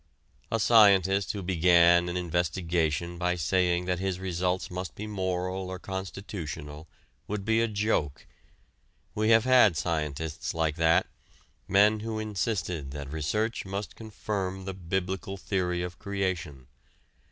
A scientist who began an investigation by saying that his results must be moral or constitutional would be a joke. We have had scientists like that, men who insisted that research must confirm the Biblical theory of creation.